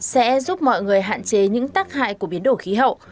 sẽ giúp mọi người hạn chế những tác hại của biến đổi khí hậu